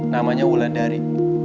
namanya ulan dari